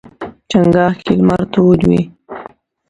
چنګاښ کې لمر تود وي.